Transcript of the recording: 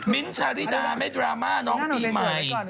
ชาริดาไม่ดราม่าน้องปีใหม่